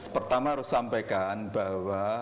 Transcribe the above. pertama harus sampaikan bahwa